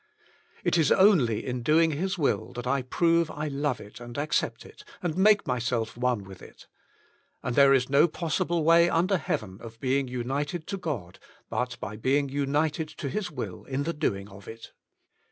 It is only in doing His will that I prove I love it and accept 54 The Inner Chamber it, and make myself one with it. And there is no possible way under heaven of being united to God BUT BY Being United to His Will in the doing of it.